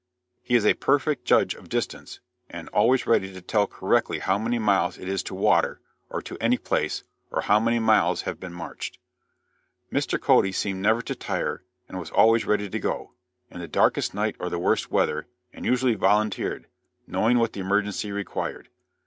He is a perfect judge of distance, and always ready to tell correctly how many miles it is to water, or to any place, or how many miles have been marched. "Mr. Cody seemed never to tire and was always ready to go, in the darkest night or the worst weather, and usually volunteered, knowing what the emergency required.